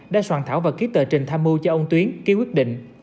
đã soạn thảo và ký tờ trình tham mưu cho ông tuyến ký quyết định